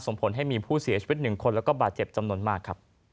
ส่งผลให้มีผู้เสียชีวิต๑คนแล้วก็บาดเจ็บจำนวนมากครับ